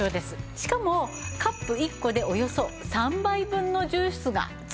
しかもカップ１個でおよそ３杯分のジュースが作れます。